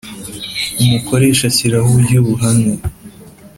Umukoresha ashyiraho uburyo buhamye